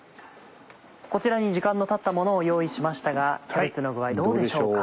こちらに時間のたったものを用意しましたがキャベツの具合どうでしょうか？